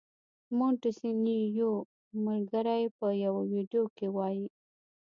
مونټیسینویو ملګری په یوه ویډیو کې وايي.